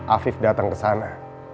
afif datang ke sana